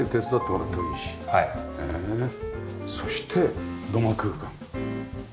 そして土間空間。